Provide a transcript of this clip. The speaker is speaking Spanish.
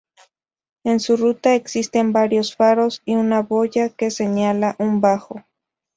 En su ruta existen varios faros y una boya que señala un bajo.